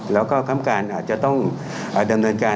แล้วก็คำการอาจจะต้องดำเนินการ